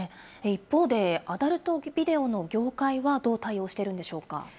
一方で、アダルトビデオの業界はどう対応してるんでしょうか。